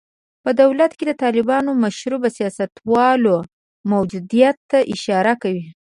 په دولت کې د طالب مشربو سیاستوالو موجودیت ته اشاره کوي.